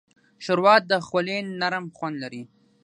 ښوروا د خولې نرم خوند لري.